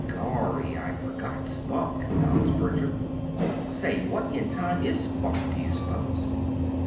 "Gorry! I forgot Spunk," acknowledged Bertram. "Say, what in time is Spunk, do you suppose?"